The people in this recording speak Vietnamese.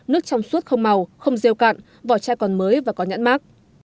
nước trong suốt không màu không rêu cạn vỏ chai còn mới và có nhãn mắc